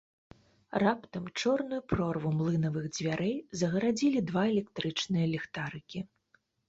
Раптам чорную прорву млынавых дзвярэй загарадзілі два электрычныя ліхтарыкі.